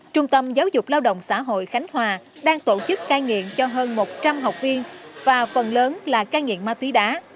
trung tâm giáo dục lao động xã hội khánh hòa đang tổ chức cai nghiện cho hơn một trăm linh học viên và phần lớn là cai nghiện ma túy đá